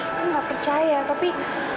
aku nggak percaya tapi